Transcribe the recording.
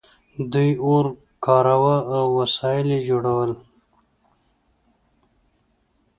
دوی اور کاراوه او وسایل یې جوړول.